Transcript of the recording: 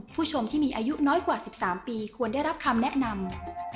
ผู้ชมที่มีอายุน้อยกว่า๑๓ปีควรได้รับคำแนะนำ